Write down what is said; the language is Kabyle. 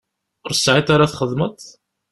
Ur tesεiḍ ara txedmeḍ?